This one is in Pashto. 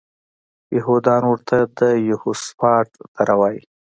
یهودان ورته د یهوسفات دره وایي.